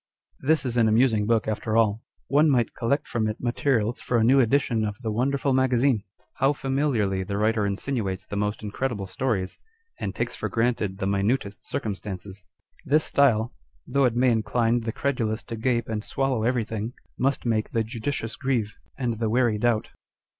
l This is an amusing book after all. One might collect from it materials for a new edition of the Wonderful Magazine. How familiarly the writer insinuates the most incredible stories, and takes for granted the minutest circumstances ! This style, though it may incline the credulous to gape and swallow everything, must make the judicious grieve, and the wary doubt.